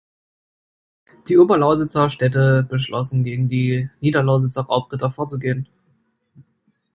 Die Oberlausitzer Städte beschlossen, gegen die Niederlausitzer Raubritter vorzugehen.